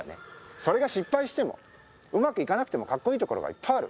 それが失敗しても、うまくいかなくてもかっこいいところがいっぱいある。